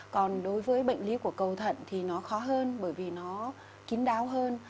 còn đối với bệnh lý của cầu thận thì nó khó hơn bởi vì nó kín đáo hơn